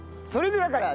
それで。